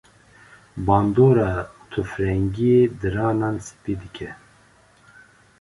bandora tûfrengiyê diranan spî dike.